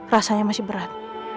rasanya masih berat